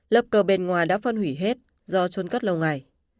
lập cờ bên ngoài đã phân hủy hết do trôn cất lâu ngày